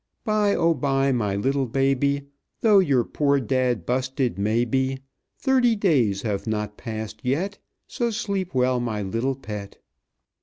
"Bye, oh! bye! my little baby, Though your poor dad busted may be. Thirty days have not passed yet, So sleep well, my little pet."